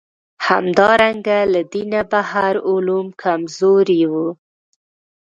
همدارنګه له دینه بهر علوم کمزوري وو.